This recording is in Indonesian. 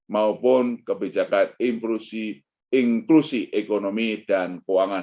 maupun kebijakan inklusi ekonomi dan keuangan